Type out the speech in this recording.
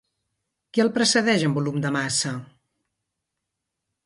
Qui el precedeix en volum de massa?